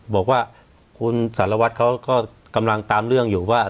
บอกว่าคุณสารวัตรเขาก็กำลังตามเรื่องอยู่ว่า